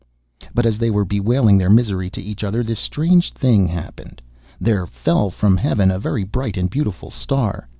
But as they were bewailing their misery to each other this strange thing happened. There fell from heaven a very bright and beautiful star.